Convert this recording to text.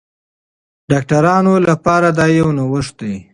ډاکټرانو لپاره دا یو نوښت دی.